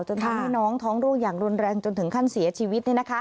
ทำให้น้องท้องโรคอย่างรุนแรงจนถึงขั้นเสียชีวิต